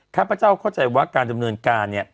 ข้าพเจ้าเข้าใจว่าการดำเนินการเนี่ย